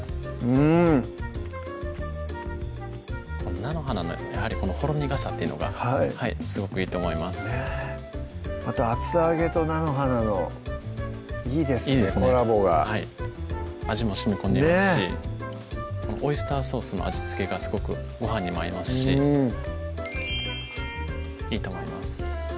菜の花のやはりこのほろ苦さっていうのがすごくいいと思いますねぇまた厚揚げと菜の花のいいですねコラボが味もしみこんでいますしねっこのオイスターソースの味付けがすごくごはんにも合いますしいいと思います